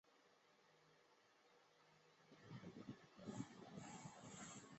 可以用微扰理论求解该近似模型。